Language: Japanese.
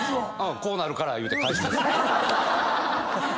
こうなるから言うて返します。